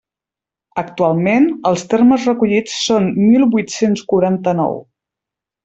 Actualment, els termes recollits són mil vuit-cents quaranta-nou.